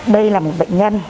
đây là một bệnh nhân